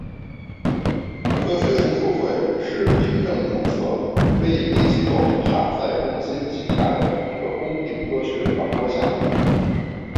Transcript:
科学松鼠会是民政注册非营利机构哈赛中心旗下的一个公益科学传播项目。